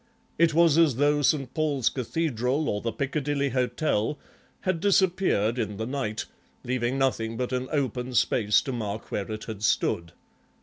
It was as though St. Paul's Cathedral or the Piccadilly Hotel had disappeared in the night, leaving nothing but an open space to mark where it had stood.